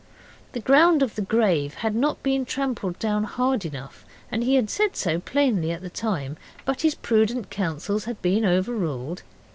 The ground of the grave had not been trampled down hard enough, and he had said so plainly at the time, but his prudent counsels had been overruled.